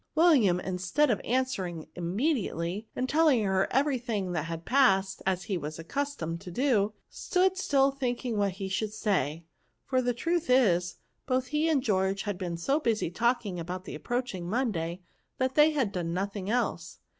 William, instead of answering im mediately, and telling her every thing that had passed, as he was accustomed to do, stood still thinking what he should say ; for the truth is, both he and George had been so busy talking of the approaching Monday, that they had done nothing else.